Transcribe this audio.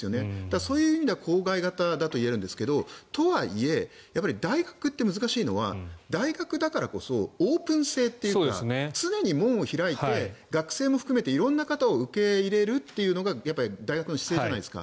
そういう意味では郊外型だといえるんですがとはいえ大学って難しいのは、大学だからオープン性というか常に門を開いて学生も含めて色んな方を受け入れるというのが大学の姿勢じゃないですか。